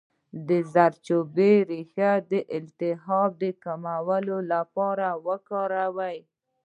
د زردچوبې ریښه د التهاب د کمولو لپاره وکاروئ